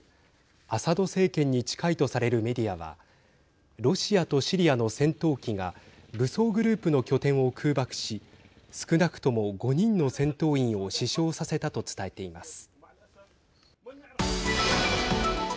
アサド政権に近いとされるメディアはロシアとシリアの戦闘機が武装グループの拠点を空爆し少なくとも５人の戦闘員を死傷させたと伝えています。